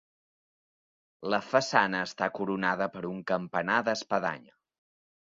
La façana està coronada per un campanar d'espadanya.